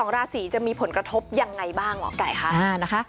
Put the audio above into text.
ราศีจะมีผลกระทบยังไงบ้างหมอไก่ค่ะ